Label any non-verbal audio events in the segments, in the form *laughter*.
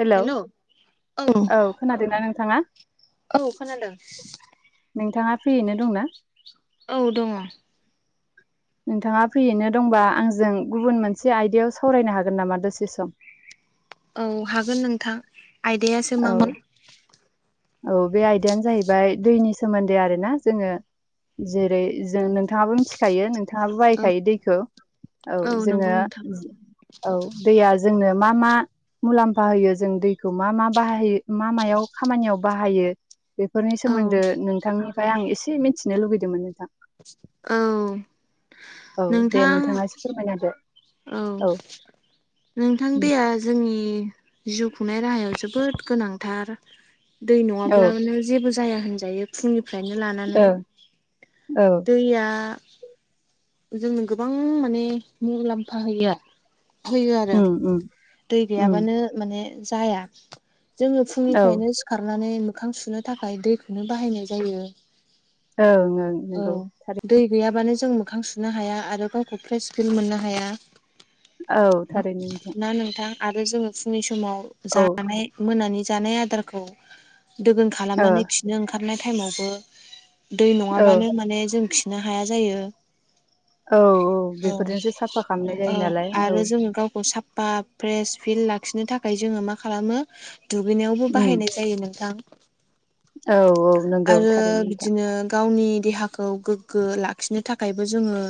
Hello औ खोनादोंना नोंथाङा? औ खोनादों। नोंथाङा फ्रियैनो दंना? औ दङ। नोंथाङा फ्रियैनो दंबा आंजों गुबुन मोनसे आयदायाव सावरायनो हागोन नामा दसे सम औ हागोन नोंथां आयदायासो औ मामोन? औ बे आयदायानो जाहैबाय दैनि सोमोन्दै आरो ना जोङो जेरै जों नोंथाङाबो मिथि खायो नोंथाङाबो बाहायखायो दैखौ औ जोङो नंगौ नोंथां औ दैया जोंनो मा मा मुलाम्फा होयो जों दैखौ मा मा बाहायो मा मायाव खामानियाव बाहायो बेफोरनि औ सोमोन्दो नोंथांनिफ्राय आं एसे मिथिनो लुुबैदोंमोन नोंथां। औ औ दे नोंथां नोंथाङा एसे फोरमायना होदो। औ नोंथां दैया जोंनि जिउ खुंनाय राहायाव जोबोद गोनांथार। दै औ औ नङाब्लानो जेबो जाया होनजायो। फुंनिफ्रायनो लानानै ओं औ दैया जोंनो गोबां माने मुुलाम्फा होयो। होयो आरो उम उम दै उम गैयाबानो माने जाया जोङो औ फुंनिफ्रायनो सि खारनानै मोखां सुनो थाखाय दैखौनो बाहायनाय जायो। औ ओं औ नोंगौ। दै गैयाबानो जों मोखां सुनो हाया आरो गावखौ फ्रेस फिल मोननो हाया। औ थारैनो ना नोंथां आरो जोङो फुंनि समाव औ ओ जानाय मोनानि जानाय आदारखौ दोगोन खालामनानै खिनो ओंखारनाय टाइमावबो दै औ नङाबानो माने जों खिनो हाया जायो। औ औ औ बेफोरजोंसो साफा खालामनाय औ जायो नालाय आरो जोङो गावखौ सापा फ्रेस फिल लाखिनो थाखाय जोङो मा खालामो? दुगैनायावबो उम बाहायनाय जायो नोंथां औ औ नंगौ आरो थारैनो नोंथां बिदिनो गावनि देहाखौ गोग्गो लाखिनो थाखायबो जोङो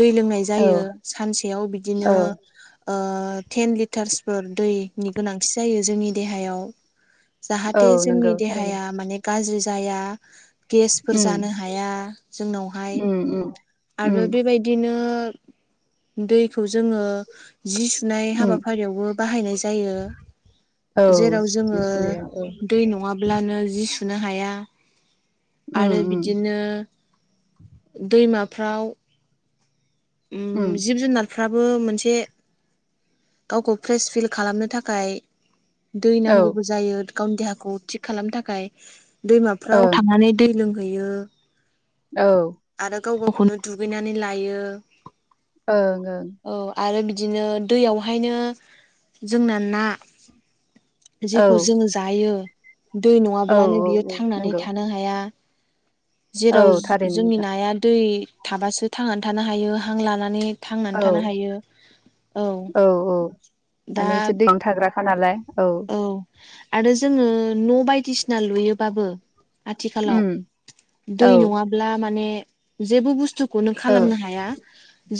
दै लोंनाय औ जायो सानसेयाव बिदिनो औ ओ टेन लिटार्सफोर दैनि गोनांथि जायो जोंनि देहायाव। औ जाहाथे जोंनि नंगौ थारैनो देहाया माने गाज्रि जाया। गेसफोर उम जानो हाया जोंनावहाय। उम उम आरो उम बेबायदिनो दैखौ जोङो जि सुनाय उम हाबाफारियावबो बाहायनाय जायो। औ जेराव जि जोङो सुनायाव औ दै नङाब्लानो जि सुनो हाया उम आरो उम बिदिनो दैमाफ्राव उम जिब जुनार फ्राबो मोनसे गावखौ फ्रेस फिल खालामनो थाखाय दै औ नांगौबो जायो गावनि देहाखौ थिग खालामनो थाखाय। दैमाफ्राव ओं थांनानै दै लोंहैयो औ आरो गाव गावखौनो दुगैनानै लायो। ओं ओं औ आरो बिदिनो दैयावहायनो जोंना ना औ जेखौ जोङो जायो दै औ नङाब्लानो बियो औ थांनानै नंगौ थानो हाया। औ जेराव थारैनो जोंनि नोंथां नाया दै थाबासो थांनानै थानो हायो हां लानानै थां औ थानो हायो औ दा माने इसोर दैयावनो थाग्राखा नालाय औ। औ आरो जोङो न बायदिसिना लुयोबाबो उम आथिखालाव औ दै नङाब्ला माने जेबो बुस्थु खौनो औ खालामनो हाया।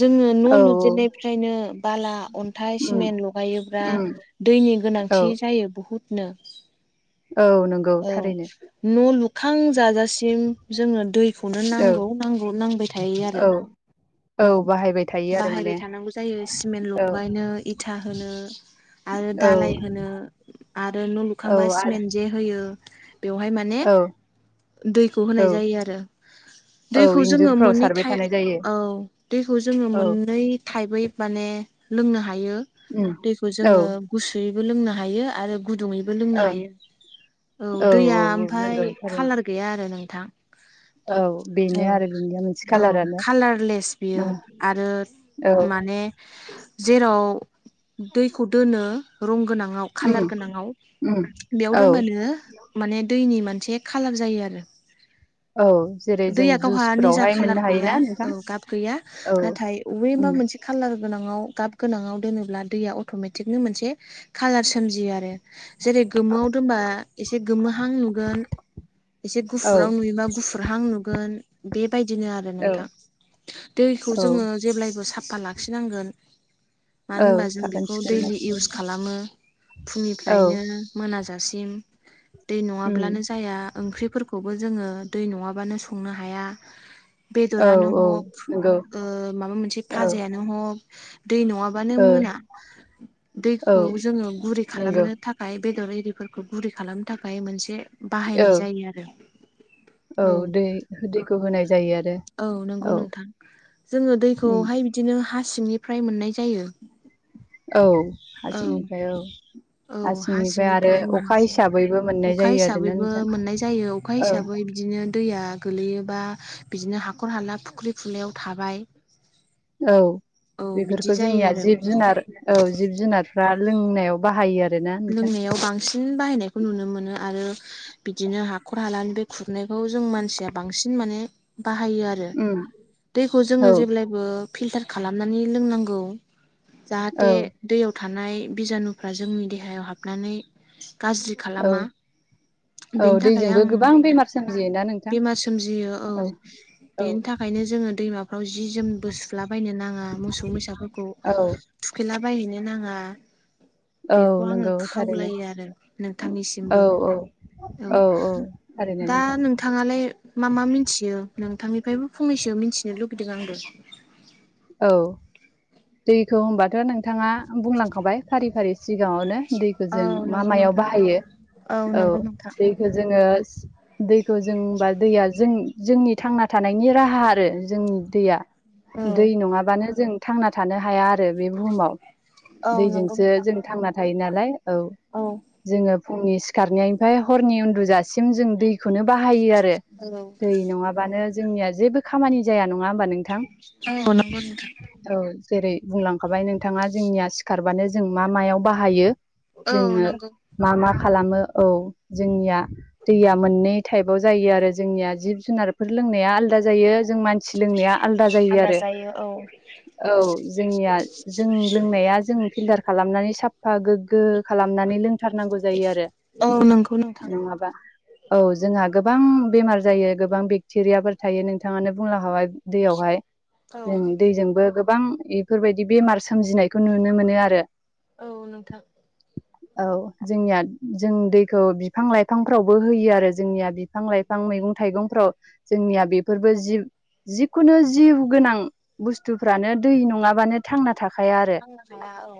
जोङो न औ लुजेननायफ्रायनो बाला, अन्थाइ, उम सिमेन्ट लगायोब्ला उम दैनि गोनां औ *unintelligible* बुहुतनो औ नं औ न' लुखां जाजासिम जोंनो दैखौनो औ नांगौ नांगौ नांबाय थायो आरो। औ औ बाहायबाय थायो आरो माने बाहायबाय थानांगौ जायो सिमेन्ट औ लगायनो इथा होनो। आरो औ दालाय होनो आरो न' औ लुखांबा आरो सिमेन्ट जे होयो बेवहाय माने औ दैखौ औ होनाय जायो आरो। औ दैखौ जोङो इन्जुरफ्राव मोननै सारबाय थाइ थानाय जायो औ दैखौ जोङो औ मोननै थाइबै माने लोंनो हायो उम दैखौ औ जोङो ओं गुसुयैबो लोंनो हायो आरो गुदुङैबो लोंनो औ हायो। औ दैया औ ओमफाय नंगौ थारैनो कालार गैया आरो नोंथां। औ बेनो औ आरो बिनिया मोनसे औ कालारानो कालारलेस बियो उम आरो औ माने जेराव दैखौ दोनो रंगोनाङाव उम खालार गोनांआव उम बेयाव औ दोनबानो माने दैनि मोनसे खालार जायो आरो। औ जेरै जों दैया गावहा निजा जुइसफोरावहाय कालार मोननो गैया हायोना औ नोंथां गाब गैया औ नाथाय वेबा उम मोनसे खालार गोनाङाव गाब गोनाङाव दोनोब्ला दैया अट'मेटिकनो मोनसे कालार सोमजियो आरो। जेरै गोमोआव दोनबा एसे गोमोहां नुगोन एसे औ गुफुराव नुयोबा गुफुरहां नुगोन बेबायदिनो आरो औ नोंथां दैखौ औ जोङो जेब्लायबो साफा लाखिनांगोन मानो औ होनबा जों साखोन बेखौ सिखोन दैलि लाखिनो इउस खालामो औ फुंनिफ्रायनो मोनाजासिम। दै उम नङाब्लानो जाया ओंख्रिफोरखौबो जोङो दै नङाबानो संनो हाया। औ बेद'रानो औ हक नंगौ ओ माबा मोनसे औ फाजायानो हक दै नङाबानो ओ मोना। औ दैखौ जोङो गुरै नंगौ खालामनो था खाय बेदर एरिफोरखौ गुरै खालामनो थाखाय मोनसे औ बाहायनाय जायो आरो। औ दै दैखौ होनाय जायो आरो। औ नंगौ नोंथां जोङो उम दैखौहाय बिदिनो हा सिंनिफ्राय मोननाय जायो। औ औ हासिंनिफ्राय औ औ हा हासिंनिफ्राय आरो सिंनिफ्राय मोन अखा *unintelligible* हिसाबैबो मोननाय अखा जायो आरो ना हिसाबैबो नोंथां मोननाय जायो अखा औ हिसाबै बिदिनो दैया गोलैयोबा बिदिनो हाखर हाला फुख्रि खुरनायाव थाबाय औ औ बिदि बेफोरखौ जायो जोंनिया आरो जिब जुनार औ जिब जुनारफ्रा लोंनायाव बाहायो आरो लोंनायाव बांसिन बाहायनायखौ नुनो मोनो आरो बिदिनो हाखर हालानि बे खुरनायखौ जों मानसिया बांसिन माने बाहायो आत उम दैखौ औ जोङो जेब्लायबो फिल्टार खालामनानै लोंनांगौ औ जाहाथे दैयाव थानाय बिजानुफ्रा जोंनि देहायाव हाबनानै गाज्रि औ खालामा औ बेनि थाखाय दैजोंबो आं गोबां बेमार सोमजियोना नोंथां बेमार सोमजियो औ औ बेनि थाखायनो जोङो दैमाफ्राव जि जोम बोसला बायनो नाङा मोसौ मैसाफोरखौ औ थुखैलाबायहैनो नाङा औ बेखौ आङो नंगौ थारैनो खावलायो आरो औ नोंथांनिसिमबो औ औ थारैनो दा नों नोंथां नोंथाङालाय मा मा मिथियो नोंथांनिफ्रायबो फंनैसो मिथिनो लुगैदों आंबो औ दैखौ होनबाथ' नोंथाङा बुंलांखाबाय फारि फारि सिगाङावनो दैखौ औ जों मा नंगौ मायाव नोंथां बाहायो औ नंगौ नोंथां दैखो जोङो दैखौ जों ओमबा दैया जों जोंनि थांना थानायनि राहा आरो जोंनि दैया दै नङाबानो जों थांना थानो हाया आरो बे बुहुमाव औ नंगौ दैजोंसो नोंथां जों थांना थायो नालाय औ औ जोङो फुंनि सिखारनायनिफ्राय हरनि उन्दुजासिम जों दैखौनो बाहायो आरो रो औ दै नङाबानो जोंनिया जेबो खामानि जाया नङा होमबा नोंथां? औ *unintelligible* नोंथां। औ जेरै बुंलांखाबाय नोंथाङा जोंनिया सिखारबानो जों मा मायाव बाहायो जोङो नोंथां मा मा खालामो औ जोंनिया दैया मोननै थाइफाव जायो आरो जोंनिया जिब जुनारफोर लोंनाया आलदा जायो जों मान सि लोंनाया आलादा जायो आलदा आरो औ औ जोंनिया जों लोंनाया जों फिल्टार खालामनानै साफा गोग्गो खालामनानै लों थारनांगौ जायो आरो औ नंगौ नोंथां नङाबा औ जोंहा गोबां बेमार जायो गोबां बेक्टेरियाफोर थायो नोंथाङानो बुंलांखाबाय दैयावहाय। औ जों दैजोंबो गोबां इफोरबायदि बेमार सोमजिनायखौ नुनो मोनो आरो। औ नोंथां। औ जोंनिया जों दैखौ बिफां लाइफांफ्रावबो होयो आरो जोंनिया बिफां लाइ फां मैगं थाइगंफ्राव जोंनिया बेफोरबो जिब जिखुनु जिउ गोनां बुस्थुफ्रानो दै नङाबानो थांना थाखाया आरो। थांनो हाया औ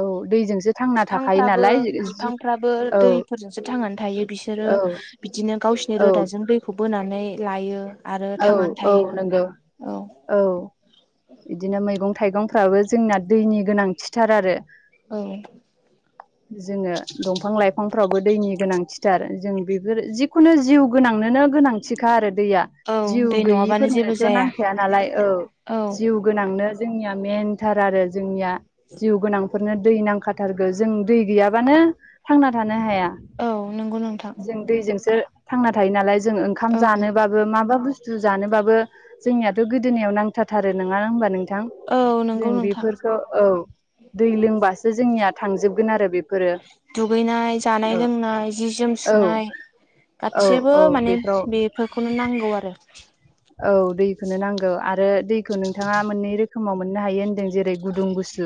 औ दैजोंसो थांना थाखायो बिफांफ्राबो नालाय बिफांफ्राबो औ दैफोरजोंसो थांनानै थायो बिस सोरो औ बिदिनो गावसिरनि औ रोदाजों दैखौ बोनानै लायो। आरो औ थांनानै औ थायो नंगौ औ। औ इदिनो मैगं थाइगंफ्राबो जोंना दैनि गोनांथिथार आरो। औ जोङो दंफां लाइफांफ्रावबो दैनि गोनांथिथार जों बेफोर जिखुनु जिउ गोनांनोनो गोनां थिखा आरो दैया औ जिउ दै नङाबानो जेबो गैयिफोरनोथ' जाया नांखाया नालाय औ औ जिउ गोनांनो जोंनिया मेनथार आरो जोंनिया जिउ गोनां फोरनो दै नांखाथारगो जों दै गैयाबानो थांना थानो हाया। औ नोंगौ नोंथां। जों दैजोंसो थांना थायो नालाय जों ओंखाम औ जोनोबाबो माबा बुस स्थु जानोबाबो जोंनियाथ' गोदोनायाव नांथाथारो नङा होनोमबा नोंथां? औ नंगौ जों नोंथां बेफोरखौ औ दै लोंबासो जोंनिया थांजोबगोन आरो बेब दुगैनाय जानाय लोंनाय जि जोम औ सुनाय औ गासिबो औ माने बेफ्राव बेफोरखौनो नांगौ आरो। औ दैखोनो नांगौ आरो दैखौ नोंथाङा मोननै रोखोमाव मोननो हायो होन्दों जेरै गुदुं गुसु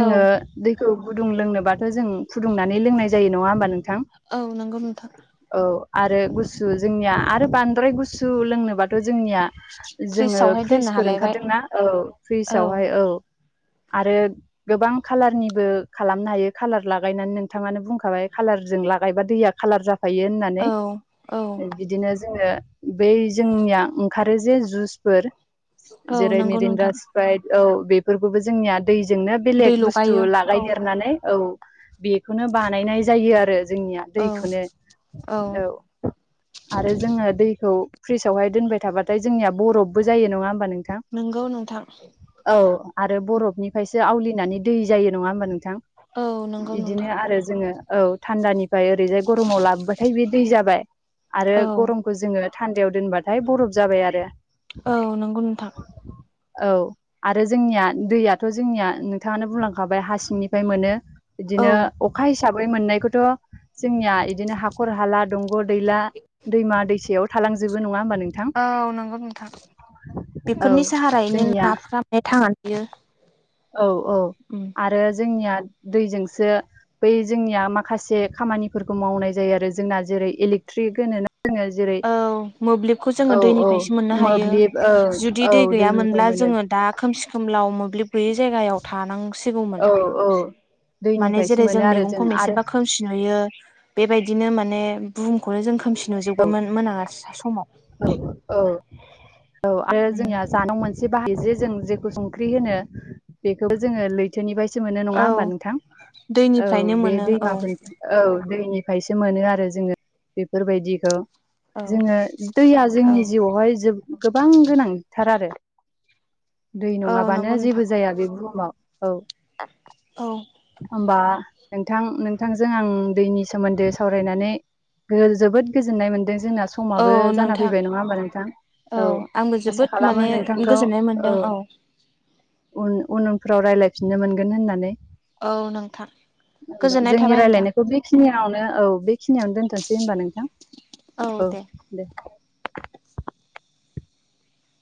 औ दैखौ गुदुं लोंनोबाथ' जों फुदुंनानै लोंनाय जायो नङा ओमबा नोंथां? औ नंगौ नोंथां औ आरो गुस गुसु जोंनिया आरो बांद्राय गुसु लोंनोबाथ' जोंनिया जोङो फ्रिजावहाय दोननो फ्रिजफोर हालायबाय ओंखारदोंना औ फ्रिसावहाय औ आरो गोबां कालारनिबो खालामनो हायो कालार लागायनानै नोंथाङानो बुंखाबाय कालारजों लागायबा दैया खालार जाफायो होनना नै औ औ बिदिनो जोङो बै जोंनिया ओंखारो जे जुसफोर औ जेरै नंगौ नोंथां मिरिनरास सिप्राइद औ बेफोरखौबो जोंनिया दैजोंनो दै बेलेग बुस्थु लगायो औ लागायदेरनानै औ बेखौनो बानायनाय जायो आरो जोंनिया औ दैखोनो औ। आरो जोङो दैखौ फ्रिजावहाय दोनबाय थाबाथाय जोंनिया बरफबो जायो नङा ओमबा नोंथां? नोंगौ नोंथां। औ आरो बरफनिफ्रायसो आवलिनानै दै जायो नङा ओमबा नोंथां? औ नंगौ इदिनो नोंथां आरो जोङो औ। थान्दानिफ्राय ओरैजाय गरमाव लाबोबाथाय बे दै जाबाय आरो औ गरम खौ जोङो थान्दायाव दोनबाथाय बरफ जाबाय आरो। औ नंगौ नोंथां। औ आरो जोंनिया दैयाथ' जोंनिया नोंथाङानो बुंलांखाबाय हासिंनिफ्राय मोनो। औ बिदिनो अखा हिसाबै मोननायखौथ' जोंनिया इदिनो हाखर हाला दंग' दैला दैमा दैसायाव थालांजोबो नङा ओमबा नोंथां? औ नंगौ नोंथां बेफोरनि औ साहारायैनो जोंनिया नाफ्रा माने थांनानै थायो औ औ उम आरो जोंनिया दैजोंसो बै जोंनिया माखासे खामानिफोरखौ मावनाय जायो आरो जोंना जेरै इलेक्ट्रिक होनोना जोङो? जेरै औ मोब्लिबखौ जोङो औ औ दैनिफ्रायसो मोननो हायो मोब्लिब औ जुदि औ दै दैनिफ्राय गैयामोनब्ला मोनो जोङो दा खोमसि खोमलाव मोब्लिब गैयि जायगायाव थानांसिगौमोन औ औ माने दैनिफ्रायसो जेरै मोनो जों आरो मैगंखौ आरो मोनसेबा खोम सि नुयो बेबायदिनो माने बुहुमखौनो जों खोमसि नुजोब मोनाङा समाव औ औ औ आरो जोंनिया जानायाव मोन से बाहाय जे जों जेखौ संख्रि होनो बेखौबो जोङो लै बोनिफ्रायसो मोनो नङा औ ओमबा नोंथां औ दैनिफ्रायनो बे मोनो औ दैमाफोरनि औ दैनिफ्रायसो मोनो आरो जोङो बेफोरबायदिखौ औ जोङो दैया औ जोंनि जिउआवहाय गोबां गोनांथार आरो दै औ नङाबानो नंगौ नोंथां। जेबो जाया बे बुहुमाव औ औ ओमबा नोंथां नोंथांजों आं दैनि सोमोन्दै सावरायनानै जोबोद गोजोननाय मोनदों जोंना औ समाबो जाना नोंथां फैबाय नङा ओमबा नोंथां औ आंबो जोबोद आसा खालामो माने नोंथांखौ गोजोननाय मोनदों औ उन उनफ्राव रायलायफिननो मोनगोन होननानै औ नोंथां दे ओमबा गोजोननाय जोंनि थाबाय नोंथां। रायलायनायखौ बेखिनियावनो औ बेखिनियावनो दोनथ'नोसै ओमबा नोंथां औ दे *inaudible*